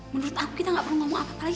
menurut aku kita gak perlu ngomong apa kali